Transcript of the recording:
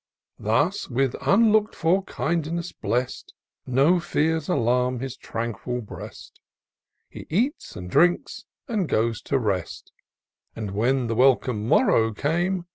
Thus, with unlook'd for kindness blest, No fears alarm his tranquil breast ; He eats, and drinks, and goes to rest ; And when the welcome morrow came.